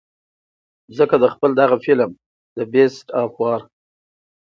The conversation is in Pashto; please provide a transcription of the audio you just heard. ځکه د خپل دغه فلم The Beast of War